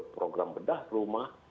program bedah rumah